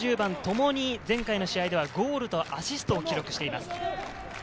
両１０番ともに前回の試合ではゴールとアシストを記録しています。